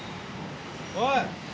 おい！